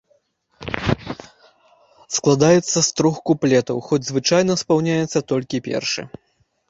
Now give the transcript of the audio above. Складаецца з трох куплетаў, хоць звычайна спаўняецца толькі першы.